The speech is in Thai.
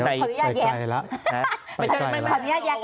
ใครไปใจละภรรยาต์แยก